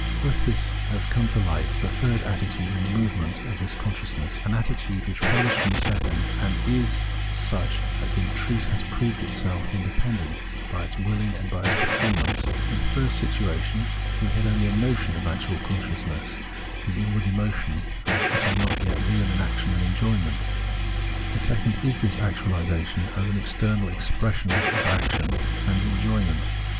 With this has come to light the third attitude in the movement of this consciousness, an attitude which follows from the second and is such as in truth has proved itself independent by its wilHng and by its per formance. In the first situation we had only a " notion " of actual consciousness, the inward emotion, which is not yet real in action and enjoyment. The second is this actuahsation, as an external express action and enjoyment.